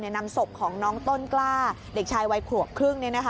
นำศพของน้องต้นกล้าเด็กชายวัยขวบครึ่ง